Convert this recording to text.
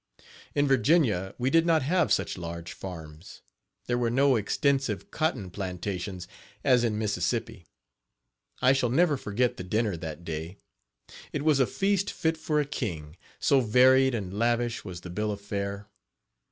In Virginia we did not have such large farms. There were no extensive cotton plantations, as in Mississippi. I shall never forget the dinner that day it was a feast fit for a king, so varied and lavish was the bill of fare.